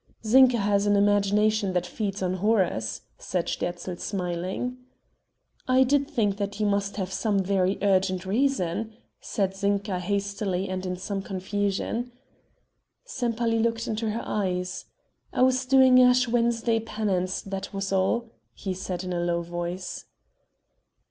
"Zinka has an imagination that feeds on horrors," said Sterzl smiling. "I did think that you must have some very urgent reason," said Zinka hastily and in some confusion. Sempaly looked into her eyes: "I was doing Ash Wednesday penance, that was all," he said in a low voice.